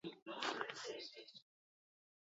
Gogoratu aspaldiko mapa-mundietako terra incognitak.